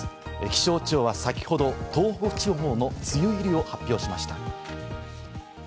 気象庁は先ほど東北地方の梅雨入りを発表しました。